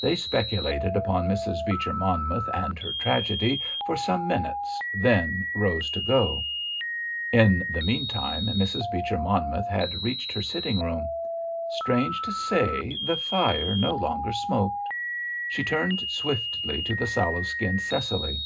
They speculated upon Mrs. Beecher Monmouth and her tragedy for some minutes, then rose to go. In the meantime Mrs. Beecher Monmouth had reached her sitting room. Strange to say, the fire no longer smoked. She turned swiftly to the sallow skinned Cecily.